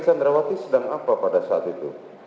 sandrawati sedang apa pada saat itu